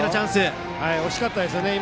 今、惜しかったですね。